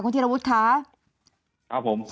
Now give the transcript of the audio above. ครับผม